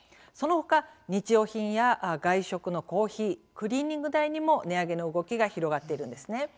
そのほか日用品や外食のコーヒークリーニング代にも値上げの動きが広がっているんですね。